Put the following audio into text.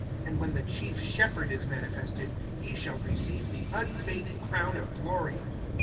(4)And when the chief Shepherd is manifested, ye shall receive the unfading crown of glory.